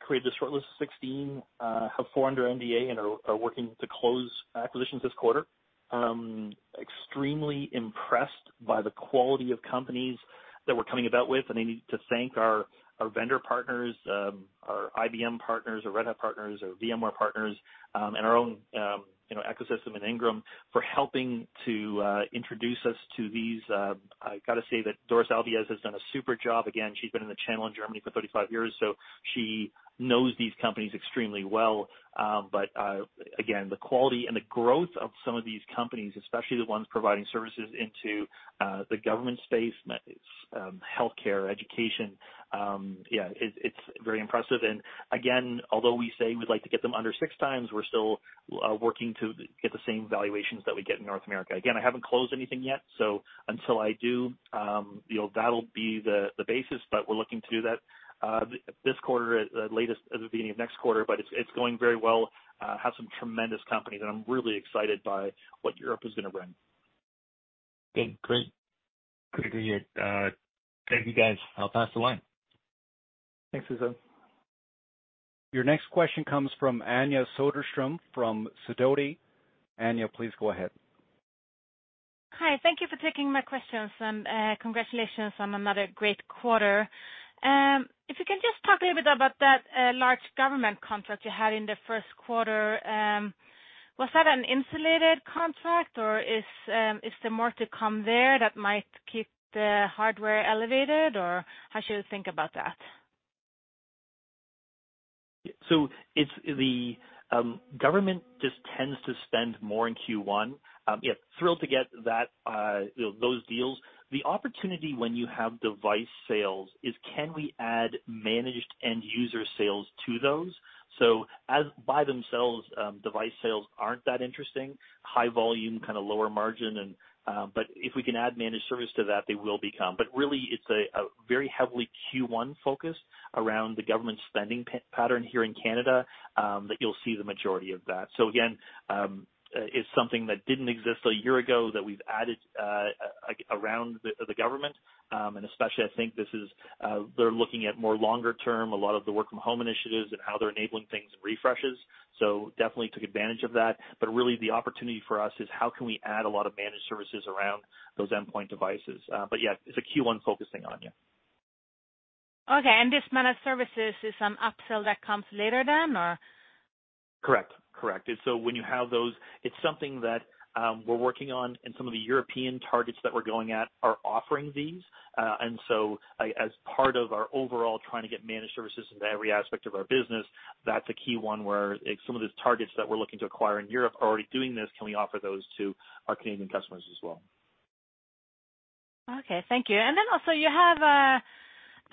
Speaker 2: created a shortlist of 16, have four under NDA, and are working to close acquisitions this quarter. Extremely impressed by the quality of companies that we're coming about with. I need to thank our vendor partners, our IBM partners, our Red Hat partners, our VMware partners, and our own ecosystem in Ingram for helping to introduce us to these. I got to say that Doris Albiez has done a super job. Again, she's been in the channel in Germany for 35 years; she knows these companies extremely well. Again, the quality and the growth of some of these companies, especially the ones providing services into the government space, healthcare, education, it's very impressive. Although we say we'd like to get them under six times, we're still working to get the same valuations that we get in North America. I haven't closed anything yet, so until I do, that'll be the basis. We're looking to do that this quarter, latest at the beginning of next quarter. It's going very well. We have some tremendous companies, and I'm really excited by what Europe is going to bring.
Speaker 9: Great to hear. Thank you, guys. I'll pass the line.
Speaker 2: Thanks, Suthan
Speaker 1: Your next question comes from Anja Soderstrom from Sidoti. Anja, please go ahead.
Speaker 10: Hi. Thank you for taking my questions, and congratulations on another great quarter. If you can just talk a little bit about that large government contract you had in the first quarter. Was that an insulated contract, or is there more to come there that might keep the hardware elevated, or how should we think about that?
Speaker 2: The government just tends to spend more in Q1. Thrilled to get those deals. The opportunity when you have device sales is can we add managed end-user sales to those? As by themselves, device sales aren't that interesting. High volume, kind of lower margin, but if we can add managed services to that, they will become. Really, it's a very heavily Q1 focus around the government spending pattern here in Canada that you'll see the majority of that. Again, it's something that didn't exist a year ago that we've added around the government. Especially, I think they're looking at more longer-term, a lot of the work-from-home initiatives and how they're enabling things and refreshes. Definitely took advantage of that. Really, the opportunity for us is how can we add a lot of managed services around those endpoint devices? Yeah, it's a Q1 focus thing, Anja.
Speaker 10: Okay, this managed services is an upsell that comes later then?
Speaker 2: Correct. When you have those, it's something that we're working on, and some of the European targets that we're going at are offering these. As part of our overall trying to get managed services into every aspect of our business, that's a key one where some of the targets that we're looking to acquire in Europe are already doing this. Can we offer those to our Canadian customers as well?
Speaker 10: Okay, thank you. Also you have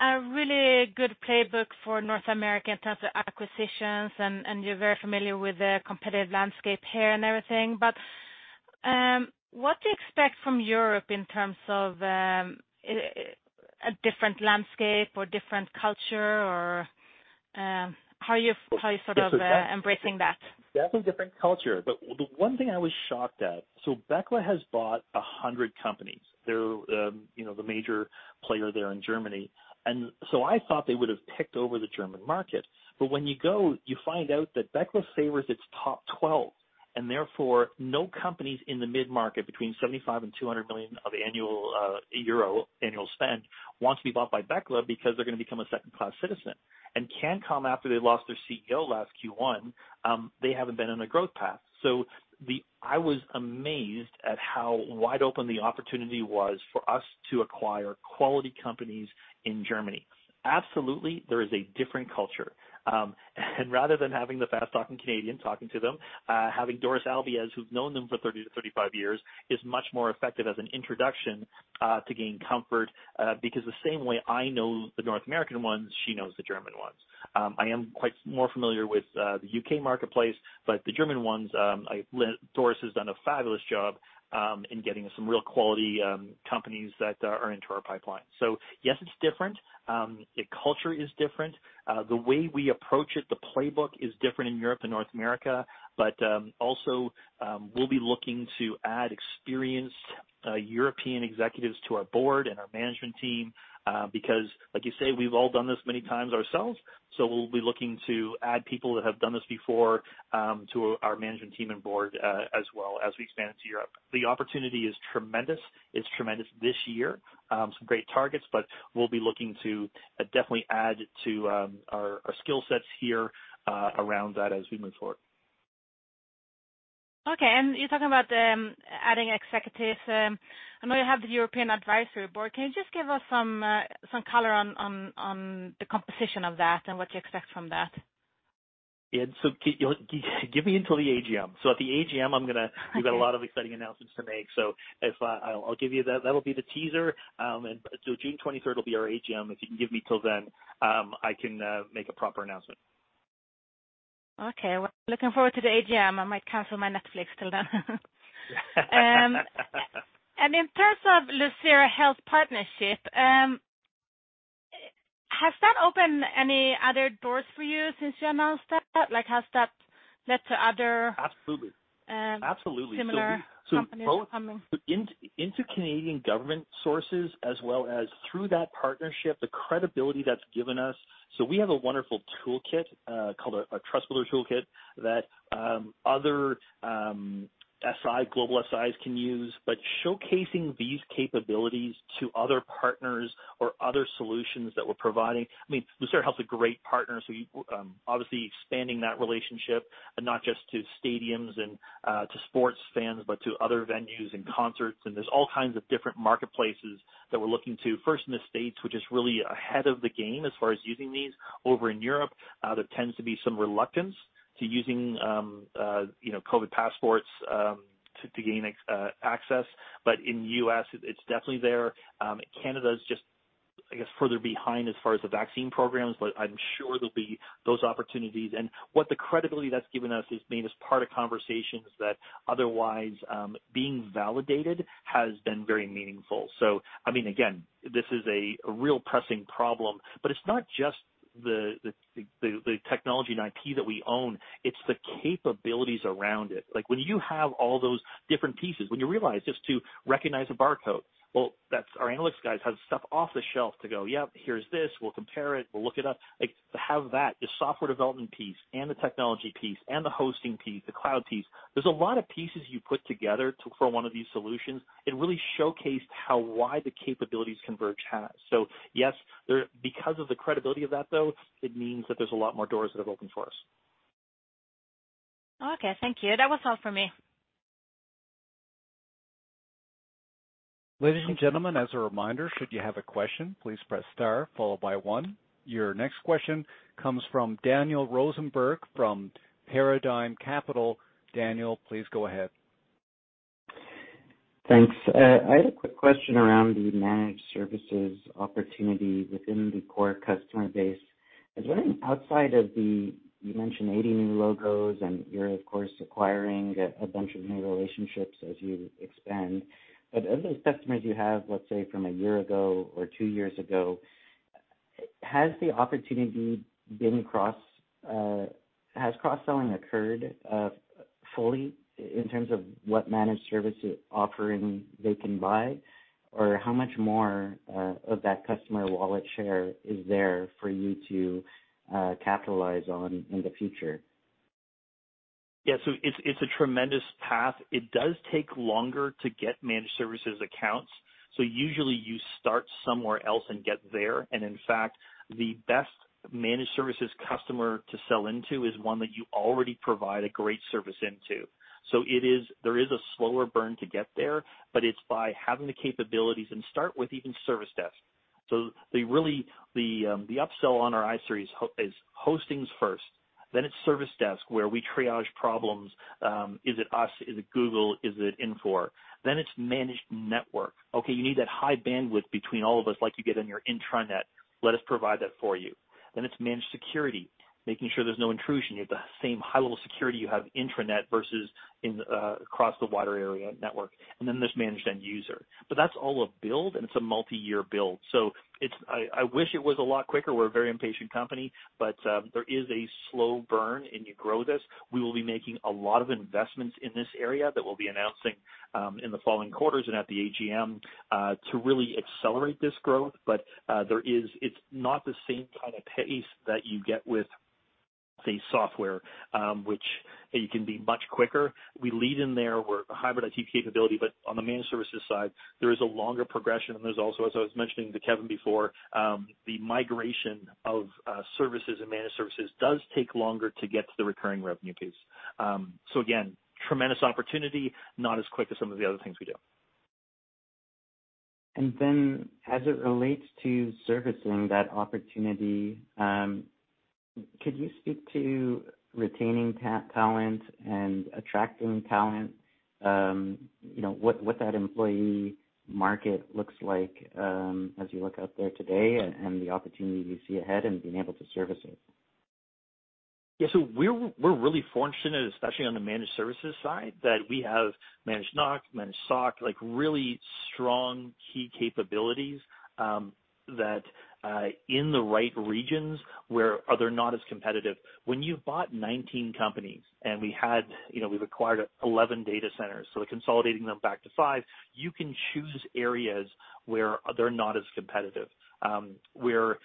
Speaker 10: a really good playbook for North America in terms of acquisitions, and you're very familiar with the competitive landscape here and everything. What do you expect from Europe in terms of a different landscape or different culture, or how are you sort of embracing that?
Speaker 2: Definitely different culture. The one thing I was shocked at, Bechtle has bought 100 companies. They're the major player there in Germany; I thought they would've picked over the German market. When you go, you find out that Bechtle favors its top 12, and therefore, no companies in the mid-market between 75 million and 200 million of annual euro annual spend want to be bought by Bechtle because they're going to become second-class citizens. Cancom, after they lost their CEO last Q1, they haven't been on a growth path. I was amazed at how wide open the opportunity was for us to acquire quality companies in Germany. Absolutely, there is a different culture. Rather than having the fast-talking Canadian talking to them, having Doris Albiez, who's known them for 30 to 35 years, is much more effective as an introduction to gain comfort. The same way I know the North American ones, she knows the German ones. I am quite more familiar with the U.K. marketplace, but the German ones. Doris has done a fabulous job in getting us some real quality companies that are into our pipeline. Yes, it's different. The culture is different. The way we approach it, the playbook is different in Europe than in North America. Also, we'll be looking to add experienced European executives to our board and our management team, because like you say, we've all done this many times ourselves. We'll be looking to add people that have done this before to our management team and board as well as we expand to Europe. The opportunity is tremendous. It's tremendous this year. Some great targets. We'll be looking to definitely add to our skill sets here around that as we move forward.
Speaker 10: Okay. You're talking about adding executives. I know you have the European Advisory Board. Can you just give us some color on the composition of that and what you expect from that?
Speaker 2: Yeah. Give me until the AGM. At the AGM, we've got a lot of exciting announcements to make. That'll be the teaser. June 23rd will be our AGM. If you can give me till then, I can make a proper announcement.
Speaker 10: Okay. Well, looking forward to the AGM. I might cancel my Netflix till then. In terms of Lucira Health partnership, has that opened any other doors for you since you announced that?
Speaker 2: Absolutely
Speaker 10: Similar companies coming?
Speaker 2: Into Canadian government sources as well as through that partnership, the credibility that's given us. We have a wonderful toolkit called a "trust builder toolkit" that other global SIs can use. Showcasing these capabilities to other partners or other solutions that we're providing. Lucira Health's a great partner, obviously expanding that relationship, not just to stadiums and to sports fans, but to other venues and concerts. There's all kinds of different marketplaces that we're looking to, first in the States, which is really ahead of the game as far as using these. Over in Europe, there tends to be some reluctance to using COVID passports to gain access. In U.S., it's definitely there. Canada's just, I guess, further behind as far as the vaccine programs; I'm sure there'll be those opportunities. What the credibility that's given us has made us part of conversations that, otherwise, being validated, has been very meaningful. Again, this is a real pressing problem, but it's not just the technology and IP that we own; it's the capabilities around it. When you have all those different pieces, when you realize just to recognize a barcode. Well, our analytics guys have stuff off the shelf to go, "Yep, here's this. We'll compare it. We'll look it up." To have that, the software development piece and the technology piece and the hosting piece, the cloud piece. There's a lot of pieces you put together for one of these solutions. It really showcased how wide the capabilities Converge has. Yes, because of the credibility of that, though, it means that there's a lot more doors that have opened for us.
Speaker 10: Okay, thank you. That was all for me.
Speaker 1: Ladies and gentlemen, as a reminder. Should you have a question, please press star follow by one. Your next question comes from Daniel Rosenberg from Paradigm Capital. Daniel, please go ahead.
Speaker 11: Thanks. I had a quick question around the managed services opportunity within the core customer base. I was wondering, outside of the, you mentioned 80 new logos, and you're, of course, acquiring a bunch of new relationships as you expand. Of those customers you have, let's say, from a year ago or two years ago, has cross-selling occurred fully in terms of what managed service offering they can buy? How much more of that customer wallet share is there for you to capitalize on in the future?
Speaker 2: It's a tremendous path. It does take longer to get managed services accounts, so usually you start somewhere else and get there. In fact, the best managed services customer to sell into is one that you already provide a great service into. There is a slower burn to get there, but it's by having the capabilities and start with even a service desk. The upsell on our iSeries is hosting first, then it's service desk, where we triage problems. Is it us? Is it Google? Is it Infor? It's managed network. Okay, you need that high bandwidth between all of us like you get on your intranet. Let us provide that for you. It's managed security, making sure there's no intrusion. You have the same high-level security you have intranet versus across the wider area network. There's managed end user. That's all a build, and it's a multi-year build. I wish it was a lot quicker. We're a very impatient company, there is a slow burn, and you grow this. We will be making a lot of investments in this area that we'll be announcing in the following quarters and at the AGM to really accelerate this growth. It's not the same kind of pace that you get with, say, software, which you can be much quicker. We lead in there. We're a hybrid IT capability; on the managed services side, there is a longer progression. There's also, as I was mentioning to Kevin before, the migration of services, and managed services does take longer to get to the recurring revenue piece. Again, tremendous opportunity, not as quick as some of the other things we do.
Speaker 11: As it relates to servicing that opportunity, could you speak to retaining talent and attracting talent, what that employee market looks like as you look out there today and the opportunity you see ahead and being able to service it?
Speaker 2: Yeah. We're really fortunate, especially on the managed services side, that we have managed NOC, managed SOC, really strong key capabilities, that, in the right regions where they're not as competitive. When you've bought 19 companies and we've acquired 11 data centers, so consolidating them back to five, you can choose areas where they're not as competitive. A lot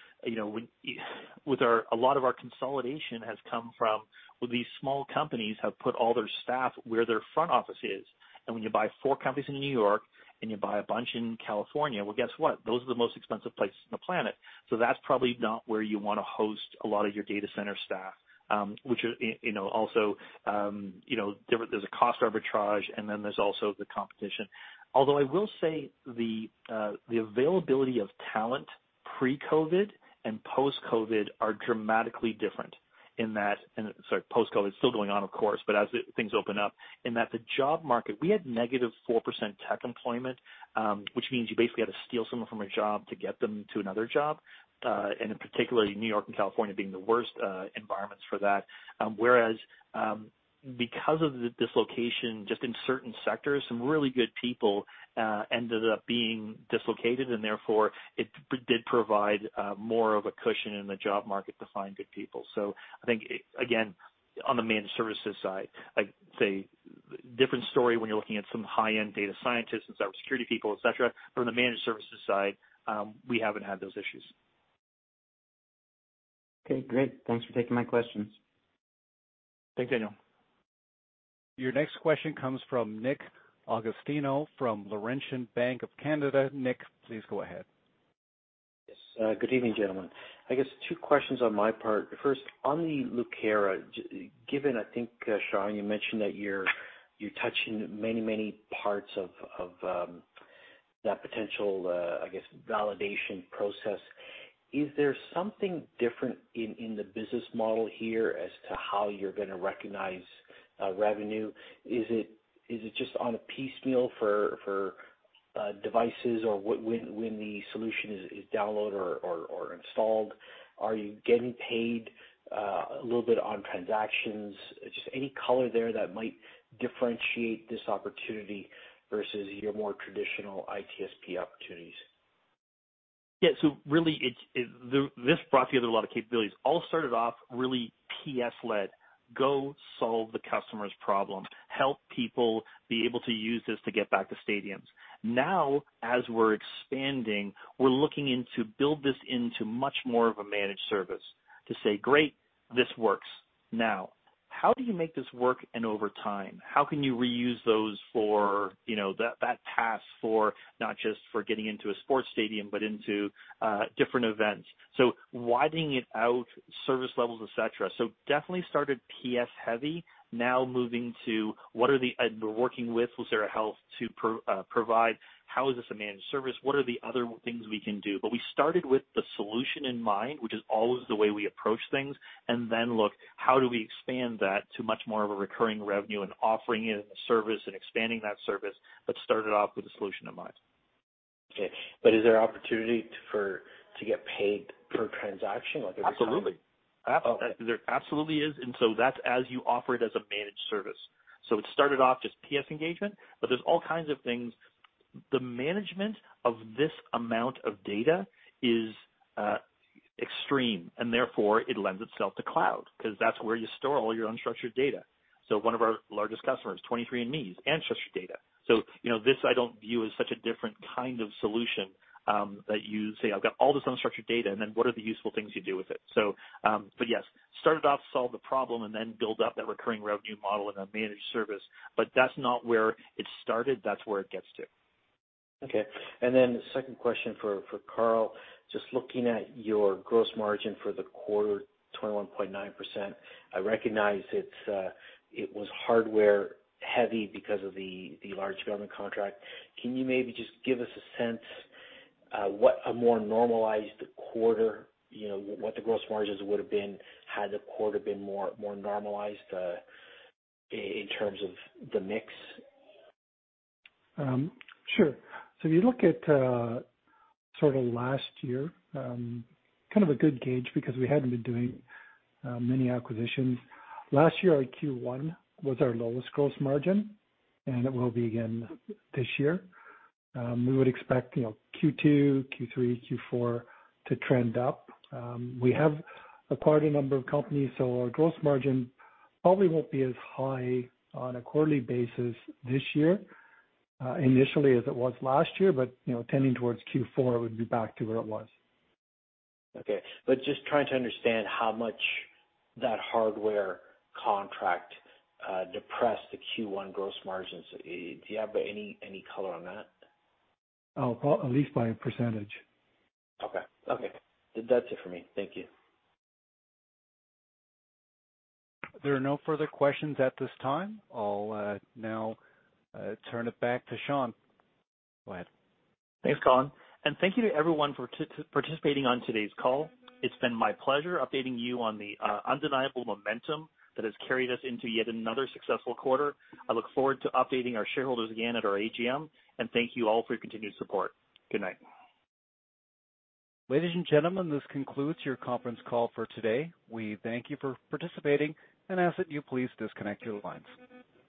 Speaker 2: of our consolidation has come from these small companies that have put all their staff where their front office is. When you buy four companies in New York and you buy a bunch in California, well, guess what? Those are the most expensive places on the planet. That's probably not where you want to host a lot of your data center staff. There's a cost arbitrage, and then there's also the competition. Although I will say the availability of talent pre-COVID and post-COVID are dramatically different in that, sorry, post-COVID is still going on, of course, but as things open up in that the job market, we had negative 4% tech employment, which means you basically had to steal someone from a job to get them to another job. In particular, New York and California being the worst environments for that. Because of the dislocation, just in certain sectors, some really good people ended up being dislocated, and therefore it did provide more of a cushion in the job market to find good people. I think, again, on the managed services side. Different story when you're looking at some high-end data scientists and cybersecurity people, et cetera. From the managed services side, we haven't had those issues.
Speaker 11: Okay, great. Thanks for taking my questions.
Speaker 2: Thanks, Daniel.
Speaker 1: Your next question comes from Nick Agostino from Laurentian Bank of Canada. Nick, please go ahead.
Speaker 12: Good evening, gentlemen. I guess two questions on my part. First, on the Lucira, given, I think, Shaun, you mentioned that you're touching many parts of that potential validation process. Is there something different in the business model here as to how you're going to recognize revenue? Is it just on a piecemeal for devices or when the solution is download or installed? Are you getting paid a little bit on transactions? Just any color there that might differentiate this opportunity versus your more traditional ITSP opportunities.
Speaker 2: Yeah. Really, this brought together a lot of capabilities. All started off really PS led, go solve the customer's problem, help people be able to use this to get back to stadiums. Now, as we're expanding, we're looking into build this into much more of a managed service to say, "Great, this works." Now, how do you make this work and over time? How can you reuse those for that pass for not just for getting into a sports stadium but into different events? Widening it out, service levels, et cetera. Definitely started PS heavy. Now moving to "We're working with Lucira Health to provide..." How is this a managed service? What are the other things we can do? We started with the solution in mind, which is always the way we approach things, and then look how do we expand that to much more of a recurring revenue and offering it as a service and expanding that service. Started off with a solution in mind.
Speaker 12: Okay. Is there opportunity to get paid per transaction?
Speaker 2: Absolutely.
Speaker 12: Okay.
Speaker 2: There absolutely is. That's as you offer it as a managed service. It started off just PS engagement, but there's all kinds of things. The management of this amount of data is extreme, and therefore it lends itself to cloud, because that's where you store all your unstructured data. One of our largest customers, 23andMe, is ancestry data. This I don't view as such a different kind of solution that you say, I've got all this unstructured data, and then what are the useful things you do with it? Yes, started off, solve the problem, and then build up that recurring revenue model in a managed service. That's not where it started. That's where it gets to.
Speaker 12: Okay. The second question for Carl, just looking at your gross margin for the quarter, 21.9%. I recognize it was hardware heavy because of the large government contract. Can you maybe just give us a sense what a more normalized quarter, what the gross margins would have been had the quarter been more normalized, in terms of the mix?
Speaker 3: Sure. If you look at sort of last year, kind of a good gauge because we hadn't been doing many acquisitions. Last year, our Q1 was our lowest gross margin, and it will be again this year. We would expect Q2, Q3, Q4 to trend up. We have acquired a number of companies, so our gross margin probably won't be as high on a quarterly basis this year initially as it was last year. Tending towards Q4, it would be back to where it was.
Speaker 12: Okay. Just trying to understand how much that hardware contract depressed the Q1 gross margins. Do you have any color on that?
Speaker 3: At least by a percentage.
Speaker 12: Okay. That's it for me. Thank you.
Speaker 1: There are no further questions at this time. I'll now turn it back to Shaun. Go ahead.
Speaker 2: Thanks, Colin, and thank you to everyone for participating on today's call. It's been my pleasure updating you on the undeniable momentum that has carried us into yet another successful quarter. I look forward to updating our shareholders again at our AGM, and thank you all for your continued support. Good night.
Speaker 1: Ladies and gentlemen, this concludes your conference call for today. We thank you for participating and ask that you please disconnect your lines.